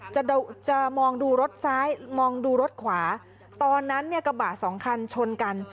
จะจะมองดูรถซ้ายมองดูรถขวาตอนนั้นเนี่ยกระบะสองคันชนกัน